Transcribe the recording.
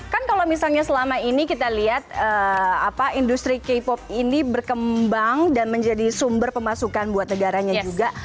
kan kalau misalnya selama ini kita lihat industri k pop ini berkembang dan menjadi sumber pemasukan buat negaranya juga